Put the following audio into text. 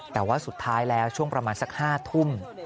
แต่ว่าสุดท้ายแล้วช่วงประมาณสัก๕ทุ่ม